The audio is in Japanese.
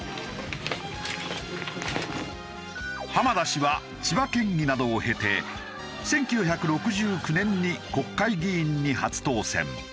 浜田氏は千葉県議などを経て１９６９年に国会議員に初当選。